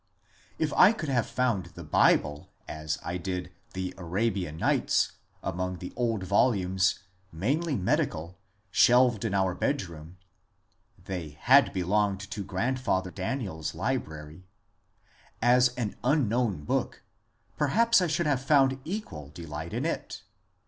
If I could have found the Bible, as I did the " Arabian Nights," among the old volumes, mainly medical, shelved in our bedroom (they had belonged to grandfather DaniePs library), as an unknown book, perhaps I should have found equal delight in it.